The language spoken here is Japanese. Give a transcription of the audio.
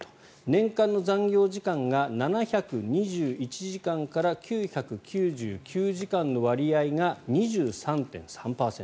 年間の残業時間が７２１時間から９９９時間の割合が２３．３％。